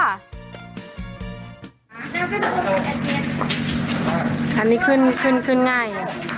อันนี้ขึ้นขึ้นขึ้นง่าย